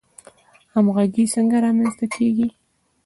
همغږي څنګه رامنځته کیږي؟